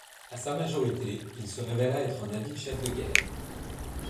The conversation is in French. À sa majorité, il se révéla être un habile chef de guerre.